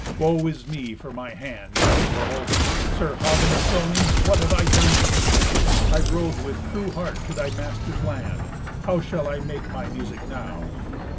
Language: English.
"Woe is me for my hand!" cried Werbel. "Sir Hagen of Trony, what have I done to thee? I rode with true heart to thy master's land. How shall I make my music now?"